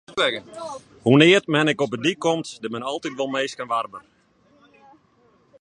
Hoenear't men ek op 'e dyk komt, der binne altyd wol minsken warber.